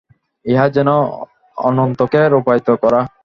ইহা যেন অনন্তকে রূপায়িত করা।